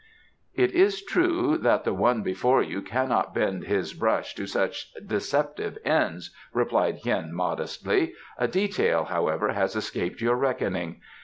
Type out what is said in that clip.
"It is true that the one before you cannot bend his brush to such deceptive ends," replied Hien modestly. "A detail, however, has escaped your reckoning.